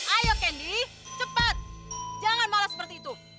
ayo candy cepat jangan malah seperti itu